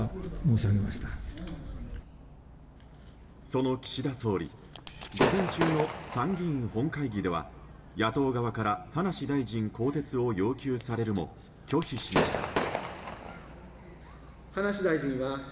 その岸田総理午前中の参議院本会議では野党側から葉梨大臣の更迭を要求されるも、拒否しました。